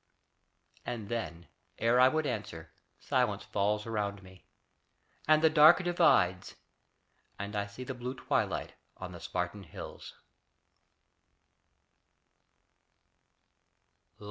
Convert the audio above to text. And then, ere I would answer, silence falls Around me, and the dark divides, and I See the blue twilight on the Spartan hills.